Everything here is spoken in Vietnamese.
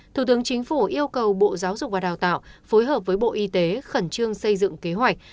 thủ tướng chính phủ yêu cầu bộ giáo dục và đào tạo phối hợp với bộ y tế khẩn trương xây dựng kế hoạch